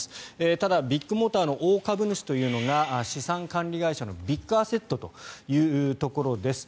ただ、ビッグモーターの大株主というのが資産管理会社のビッグアセットというところです。